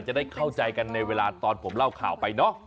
จะได้เข้าใจกันในเวลาตอนผมเล่าข่าวไปเนาะ